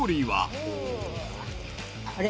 あれ？